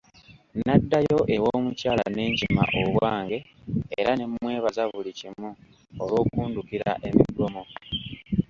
Naddayo ew'omukyala ne nkima obwange era ne mmwebaza buli kimu olw'okundukira emigomo.